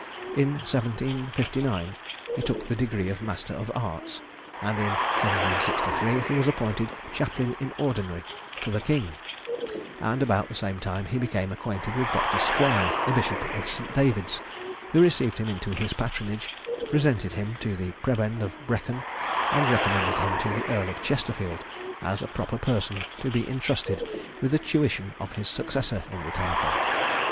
In 1759 he took the degree of Master of Arts, and in 1763 he was appointed chaplain in ordinary to the King; and about the same time he became acquainted with Dr. Squire, the bishop of St. David's, who received him into his patronage, presented him to the prebend of Brecon, and recommended him to the Earl of Chesterfield as a proper person to be intrusted with the tuition of his successor in the title.